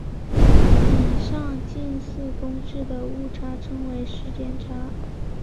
以上近似公式的误差称为时间差。